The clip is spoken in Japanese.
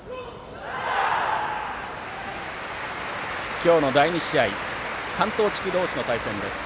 今日の第２試合は関東地区同士の対戦です。